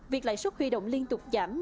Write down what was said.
việc lại suất huy động liên tục giảm